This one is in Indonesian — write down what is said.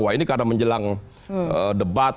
wah ini karena menjelang debat